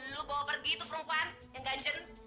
lo bawa pergi tuh perempuan yang ganjen